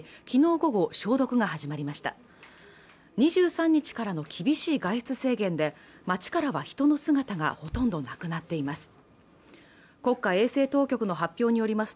午後消毒が始まりました２３日からの厳しい外出制限で街からは人の姿がほとんどなくなっています